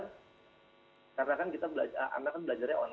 karena kan kita belajar anak kan belajarnya online